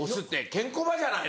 ケンコバじゃない。